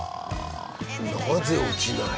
なぜ落ちない？